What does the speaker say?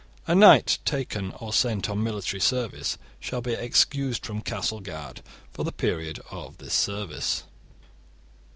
A knight taken or sent on military service shall be excused from castle guard for the period of this service.